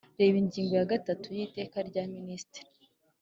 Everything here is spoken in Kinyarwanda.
reba ingingo ya gatatu y’ iteka rya minisitiri